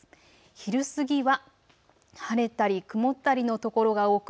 昼過ぎは晴れたり曇ったりの所が多く